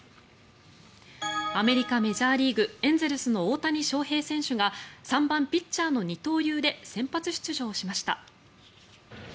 アメリカ・メジャーリーグエンゼルスの大谷翔平選手が３番ピッチャーの二刀流で先発出場しました。